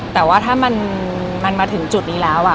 แต่ว่าถ้ามันมาถึงจุดนี้แล้ว